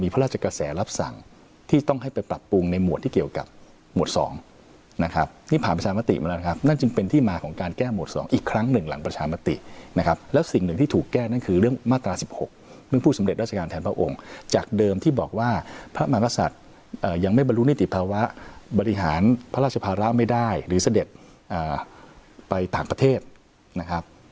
เป็นผู้สำเร็จราชการแทนพระองค์จากเดิมที่บอกว่าพระมหาศาสตร์ยังไม่บรรลุนิติภาวะบริหารพระราชภาระไม่ได้หรือเสด็จไปต่างประเทศนะครับ